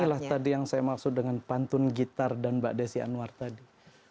inilah tadi yang saya maksud dengan pantun gitar dan mbak desi anwar tadi